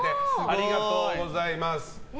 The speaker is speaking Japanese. ありがとうございます。